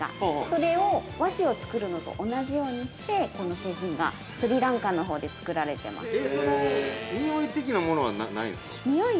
それを和紙を作るのと同じようにしてこの製品が、スリランカのほうで作られています。